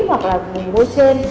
hoặc là vùng môi trên